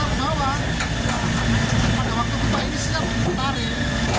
nah ketika matra pasar ke bawah menunjukkan pada waktu kita ini siap menutup tarik